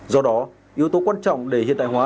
do đó yếu tố quan trọng để hiện đại hóa